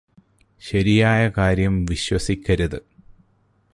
ശരിയായ കാര്യം വിശ്വസിക്കരുത്